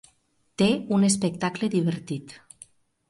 Té un espectacle divertit.